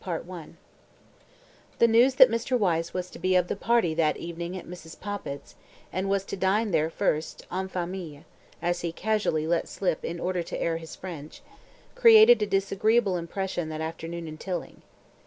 CHAPTER TEN The news that Mr. Wyse was to be of the party that evening at Mrs. Poppit's and was to dine there first, en famille (as he casually let slip in order to air his French), created a disagreeable impression that afternoon in Tilling.